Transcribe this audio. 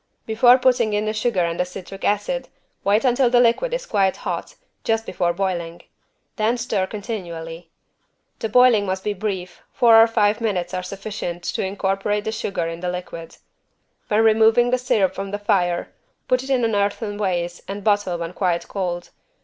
Before putting in the sugar and the citric acid wait until the liquid is quite hot, just before boiling. Then stir continually. The boiling must be brief, four or five minutes are sufficient to incorporate the sugar in the liquid. When removing the syrup from the fire, put it in an earthen vase and bottle when quite cold.